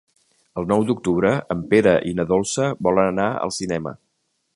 El nou d'octubre en Pere i na Dolça volen anar al cinema.